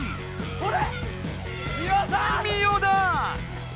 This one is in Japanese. ほれ！